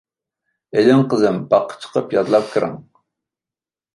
-ئېلىڭ، قىزىم، باغقا چىقىپ يادلاپ كىرىڭ.